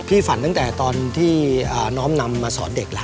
ฝันตั้งแต่ตอนที่น้อมนำมาสอนเด็กแล้ว